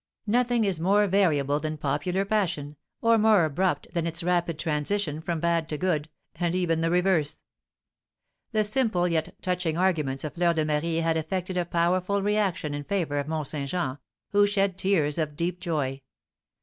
Nothing is more variable than popular passion, or more abrupt than its rapid transition from bad to good, and even the reverse. The simple yet touching arguments of Fleur de Marie had effected a powerful reaction in favour of Mont Saint Jean, who shed tears of deep joy.